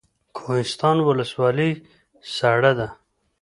کوهستان ولسوالۍ سړه ده؟